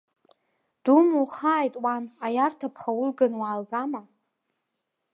Думухааит уан, аиарҭа ԥха улганы уаалгама.